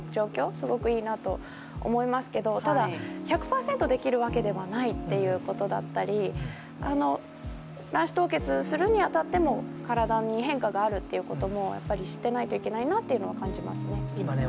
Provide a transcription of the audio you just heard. すごくいいなと思いますけど、ただ１００％できるわけではないってことだったり卵子凍結するに当たっても、体に変化があるということも知っていないといけないなと思います。